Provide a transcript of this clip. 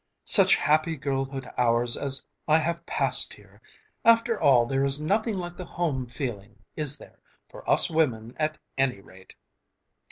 "Such happy girlhood hours as I have passed here! After all there is nothing like the home feeling, is there, for us women at any rate!